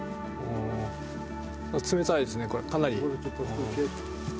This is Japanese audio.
冷たいですね、これ、かなり。